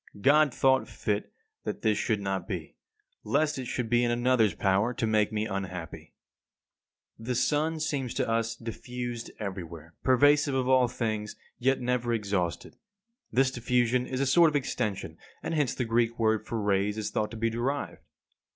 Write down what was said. God thought fit that this should not be; lest it should be in another's power to make me unhappy. 57. The sun seems to us diffused everywhere, pervasive of all things, yet never exhausted. This diffusion is a sort of extension, and hence the Greek word for rays is thought to be derived.